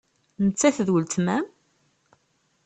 Nettat d weltma-m?